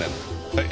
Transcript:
はい。